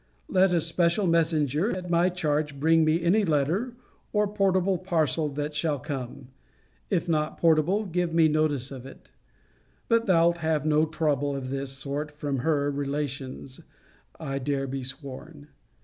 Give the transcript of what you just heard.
Let a special messenger, at my charge, bring me any letter, or portable parcel, that shall come. If not portable, give me notice of it. But thou'lt have no trouble of this sort from her relations, I dare be sworn.